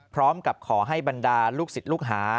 พร้อมกับขอให้บรรดาลูกศิษย์ลูกหา